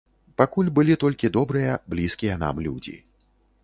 Пакуль былі толькі добрыя блізкія нам людзі.